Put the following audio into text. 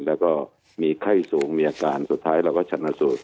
แล้วก็มีไข้สูงมีอาการสุดท้ายเราก็ชนะสูตร